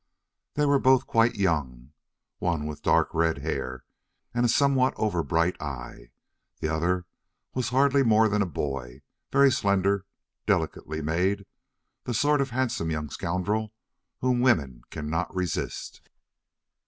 They were both quite young, one with dark red hair and a somewhat overbright eye; the other was hardly more than a boy, very slender, delicately made, the sort of handsome young scoundrel whom women cannot resist.